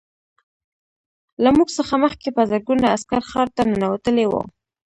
له موږ څخه مخکې په زرګونه عسکر ښار ته ننوتلي وو